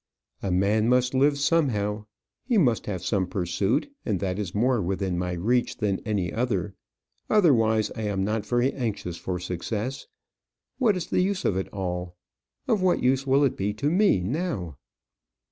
"A man must live somehow. He must have some pursuit; and that is more within my reach than any other: otherwise I am not very anxious for success. What is the use of it all? Of what use will it be to me now?"